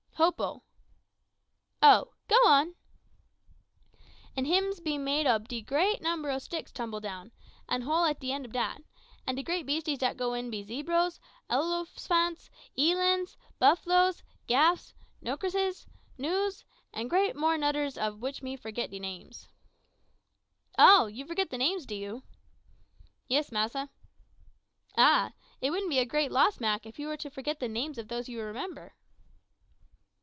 "Hopo." "Oh! go on." "An' hims be made ob great number oh sticks tumble down an' hole at de end ob dat; an' de beasties dat goes in be zebros, elosphants, eelands, buff'los, gaffs, nocrices, noos, an' great more noders ob which me forgit de names." "Oh! you forgit de names, do you?" "Yis, massa." "Ah! it wouldn't be a great loss, Mak, if you were to forget the names of those you remember."